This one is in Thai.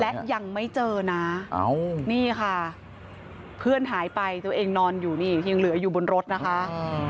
และยังไม่เจอนะนี่ค่ะเพื่อนหายไปตัวเองนอนอยู่นี่ยังเหลืออยู่บนรถนะคะ